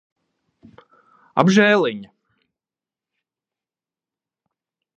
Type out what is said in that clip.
Apžēliņ.